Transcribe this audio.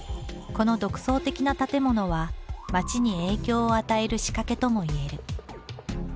この独創的な建物は街に影響を与える仕掛けともいえる。